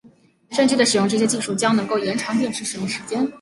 正确的使用这些技术将能够延长电池使用时间。